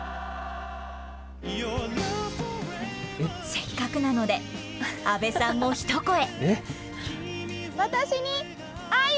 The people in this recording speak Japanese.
せっかくなので、阿部さんも一声。